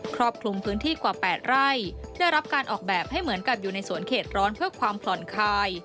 รอบคลุมพื้นที่กว่า๘ไร่ได้รับการออกแบบให้เหมือนกับอยู่ในสวนเขตร้อนเพื่อความผ่อนคลาย